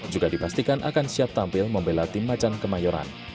juga dipastikan akan siap tampil membela tim macan kemayoran